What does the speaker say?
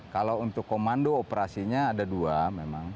kalau untuk komando operasinya ada dua memang